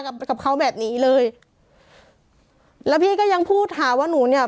กับกับเขาแบบนี้เลยแล้วพี่ก็ยังพูดหาว่าหนูเนี้ย